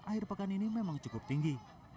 akhir pekan ini memang cukup tinggi